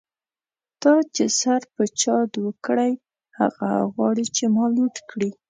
تا چی سر په چا دو کړۍ، هغه غواړی چی ما لوټ کړی